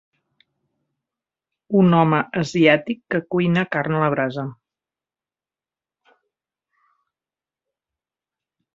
Un home asiàtic que cuina carn a la brasa.